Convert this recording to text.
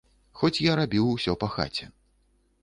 Хоць я рабіў усё па хаце.